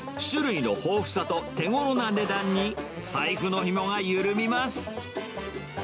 種類の豊富さと手ごろな値段に、財布のひもは緩みます。